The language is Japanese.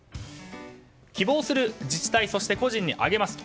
希望する自治体そして個人にあげますと。